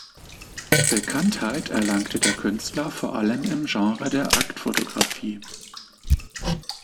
Bekanntheit erlangte der Künstler vor allem im Genre der Aktfotografie.